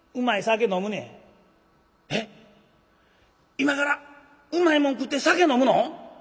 今からうまいもん食って酒飲むの？